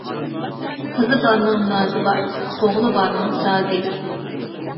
قىزى بارنىڭ نازى بار، ئوغلى بارنىڭ سازى.